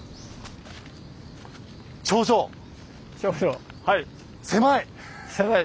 頂上はい。